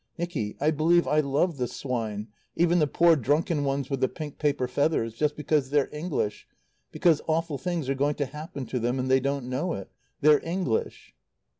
Nicky, I believe I love the swine even the poor drunken ones with the pink paper feathers just because they're English; because awful things are going to happen to them, and they don't know it. They're English."